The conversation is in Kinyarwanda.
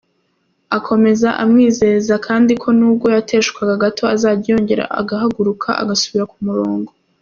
Akomeza amwizeza kandi ko nubwo yateshuka gato azajya yongera agahaguruka agasubira ku murongo.